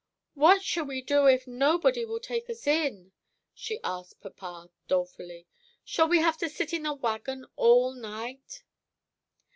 "What shall we do if nobody will take us in?" she asked papa dolefully. "Shall we have to sit in the wagon all night?"